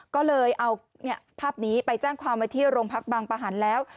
ก็เลยเอาภาพนี้ไปแจ้งความไว้ที่โรงพักบางประหันแล้ว